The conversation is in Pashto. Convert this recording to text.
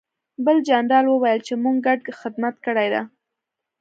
بل جنرال وویل چې موږ ګډ خدمت کړی دی